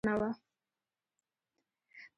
کوټې له ورته لرې وې، پر ور د نازک بالاخانه وه.